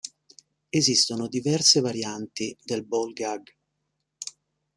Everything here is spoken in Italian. Esistono diverse varianti del ball gag.